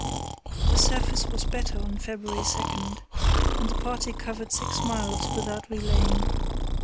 The surface was better on February 2, and the party covered six miles without relaying.